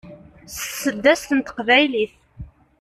s tseddast n teqbaylit